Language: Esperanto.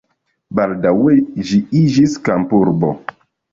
Baldaŭe ĝi iĝis kampurbo.